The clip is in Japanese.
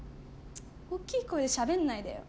おっきい声でしゃべんないでよ